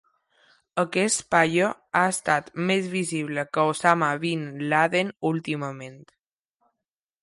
Aquest paio ha estat més visible que Osama bin Laden últimament.